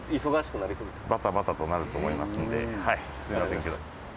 バタバタとなると思いますのではいすみませんけど。